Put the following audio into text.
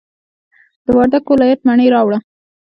د وردګو ولایت مڼې راوړه.